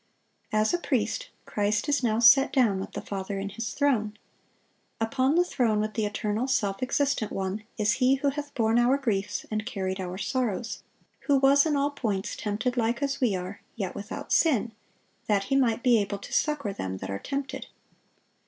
(680) As a priest, Christ is now set down with the Father in His throne.(681) Upon the throne with the eternal, self existent One, is He who "hath borne our griefs, and carried our sorrows," who "was in all points tempted like as we are, yet without sin," that He might be "able to succor them that are tempted."